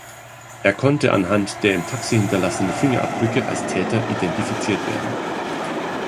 Er konnte anhand der im Taxi hinterlassenen Fingerabdrücke als Täter identifiziert werden.